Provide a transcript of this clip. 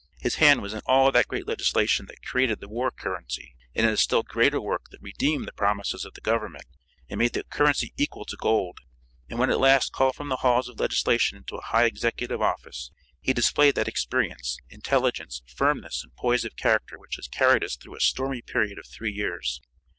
His hand was in all that great legislation that created the war currency, and in a still greater work that redeemed the promises of the Government, and made the currency equal to gold. And when at last called from the halls of legislation into a high executive office, he displayed that experience, intelligence, firmness and poise of character which has carried us through a stormy period of three years.